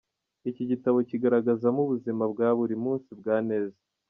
Iki gitabo kigaragazamo ubuzima bwa buri munsi bwa Neza.